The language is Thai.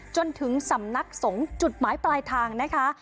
จนถึงสำนักสงฆ์จุดหมายปลายทางนะคะ